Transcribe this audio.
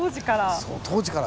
当時から。